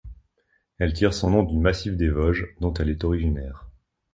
Elle tire son nom du massif des Vosges, dont elle est originaire.